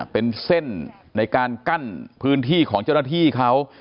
เป็นเส้นในการกั้นพื้นที่ของเจ้าหน้าที่เขา